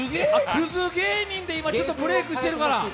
クズ芸人で今、ブレークしてるから？